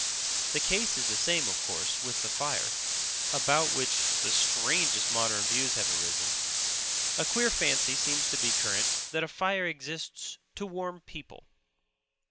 The case is the same, of course, with the fire; about which the strangest modern views have arisen. A queer fancy seems to be current that a fire exists to warm people.